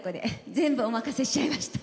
全部お任せしちゃいました。